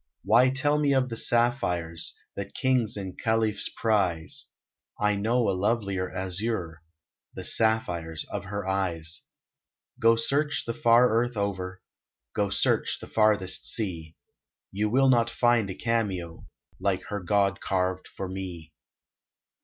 Why tell me of the sapphires That Kings and Khalifs prize? I know a lovelier azure, The sapphires of her eyes. Go search the far Earth over, Go search the farthest sea, You will not find a cameo Like her God carved for me.